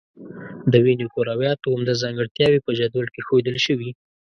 د وینې کرویاتو عمده ځانګړتیاوې په جدول کې ښودل شوي.